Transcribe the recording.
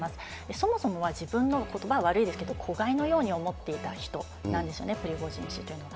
そもそもは自分のことばは悪いですけれども、子飼いのように思っていた人なんですよね、プリゴジン氏というのは。